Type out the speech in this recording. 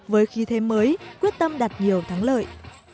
với khí thêm mới quyết tâm đặt nhiều thắng lợi